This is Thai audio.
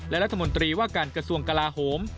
และรัฐมนตรีว่าการกระทรวงกลาโหม